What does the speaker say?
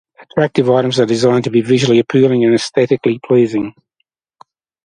Attractive items are designed to be visually appealing and aesthetically pleasing.